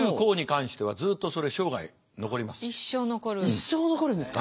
一生残るんですか？